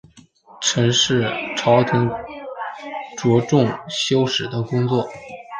陈氏朝廷着重修史的工作。